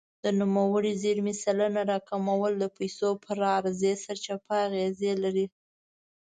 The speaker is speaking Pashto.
د نوموړې زیرمې سلنه راکمول د پیسو پر عرضې سرچپه اغېز لري.